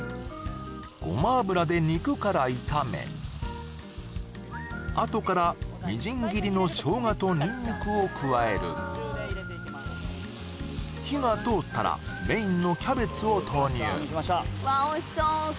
ごま油で肉から炒めあとからみじん切りのショウガとニンニクを加える火がとおったらメインのキャベツを投入